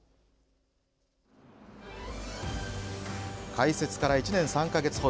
開設から１年３か月程。